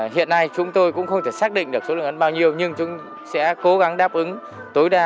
hiện nay chúng tôi cũng không thể xác định được số lượng ấn bao nhiêu nhưng chúng sẽ cố gắng đáp ứng tối đa